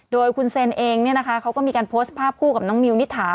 โดยคุณเซนเองเขาก็มีการโพสต์ภาพคู่กับน้องมิวนิถา